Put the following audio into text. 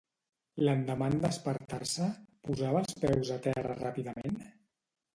L'endemà en despertar-se, posava els peus a terra ràpidament?